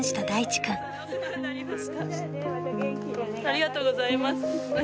ありがとうございます。